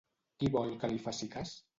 Qui vol que li faci cas?